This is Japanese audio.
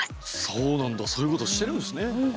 そうなんだそういうことしてるんですね。